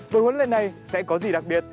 buổi huấn luyện này sẽ có gì đặc biệt